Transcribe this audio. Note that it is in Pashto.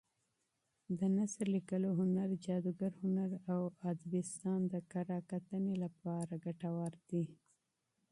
د نثر لیکلو هنر، جادګر هنر او ادبستان د کره کتنې لپاره مفید دي.